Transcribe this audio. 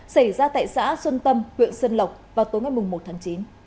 xảy ra tại xã xuân tâm huyện xuân lộc vào tối ngày một tháng chín